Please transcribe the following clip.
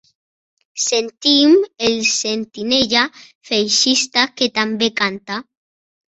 Sentim el sentinella feixista que també canta.